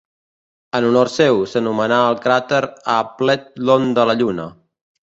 En honor seu, s'anomenà el cràter Appleton de la Lluna.